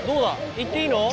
行っていいの？